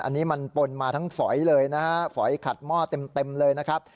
อันนี้มันปนมาทั้งฝอยเลยนะฮะฝอยขัดหม้อเต็มเลยนะครับ